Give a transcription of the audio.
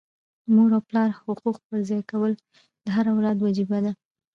د مور او پلار حقوق پرځای کول د هر اولاد وجیبه ده.